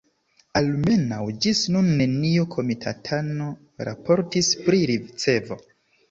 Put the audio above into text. Almenaŭ ĝis nun neniu komitatano raportis pri ricevo.